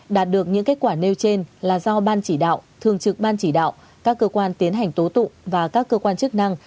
đạt được những kết quả nêu trên là do ban chỉ đạo thường trực ban chỉ đạo các cơ quan tiến hành tố tụng và các cơ quan chức năng